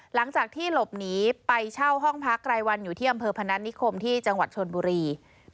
หลังจากที่หลบหนีไปเช่าห้องพักรายวันอยู่ที่อำเภอพนัฐนิคมที่จังหวัดชนบุรี